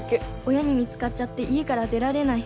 「親に見つかっちゃって家から出られない。